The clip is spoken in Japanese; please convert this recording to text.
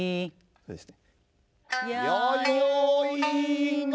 そうですね。